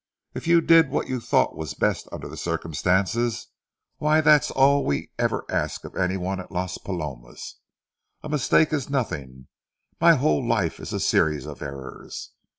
If you did what you thought was best under the circumstances, why, that's all we ever ask of any one at Las Palomas. A mistake is nothing; my whole life is a series of errors.